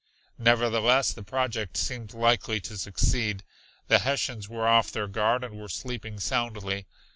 Nevertheless the project seemed likely to succeed. The Hessians were off their guard and were sleeping soundly.